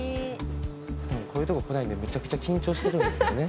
こういうとこ来ないんでめちゃくちゃ緊張してるんです。